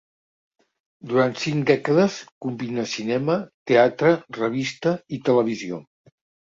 Durant cinc dècades combina cinema, teatre, revista i televisió.